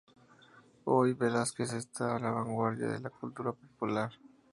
Hoy, Velasquez está a la vanguardia de la cultura popular.